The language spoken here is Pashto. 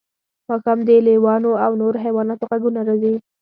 ماښام د لیوانو او نورو حیواناتو غږونه راځي